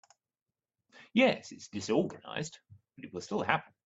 Yes, it’s disorganized but it will still happen.